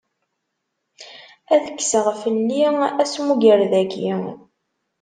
Ad kkseɣ fell-i asmugred-agi.